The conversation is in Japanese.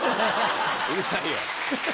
うるさいよ。